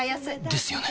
ですよね